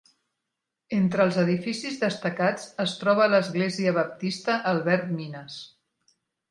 Entre els edificis destacats es troba l'Església Baptista Albert Mines.